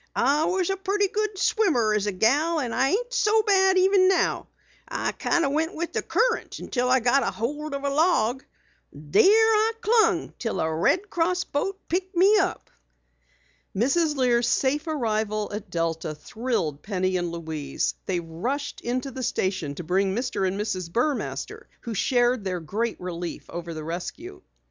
I was a purty good swimmer as a gal and I ain't so bad even now. I kinda went with the current until I got ahold of a log. There I clung until a Red Cross boat picked me up." Mrs. Lear's safe arrival at Delta thrilled Penny and Louise. They rushed into the station to bring Mr. and Mrs. Burmaster who shared their great relief over the rescue.